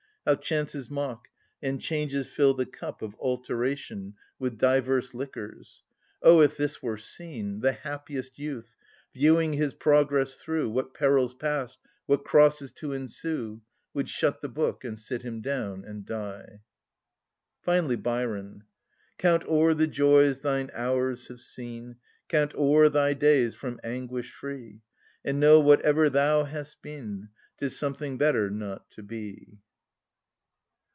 how chances mock, And changes fill the cup of alteration With divers liquors! O, if this were seen, The happiest youth,—viewing his progress through, What perils past, what crosses to ensue,— Would shut the book, and sit him down and die." Finally, Byron:— "Count o'er the joys thine hours have seen, Count o'er thy days from anguish free, And know, whatever thou hast been, 'Tis something better not to be."